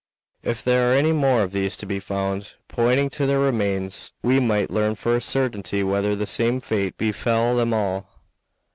"If there are any more of these to be found," pointing to their remains, "we might learn for a certainty whether the same fate befell them all."